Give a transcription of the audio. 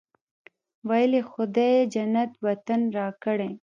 ویل یې خدای جنت وطن راکړی.